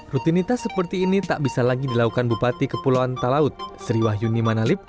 rutinitas seperti ini tak bisa lagi dilakukan bupati kepulauan talaut sri wahyuni manalip